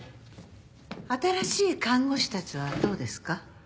新しい看護師たちはどうですか？